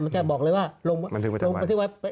มันจะบอกเลยว่าลงบันทึกประจำวัน